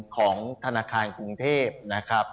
ของธนาคารกรุงเทพนะครับ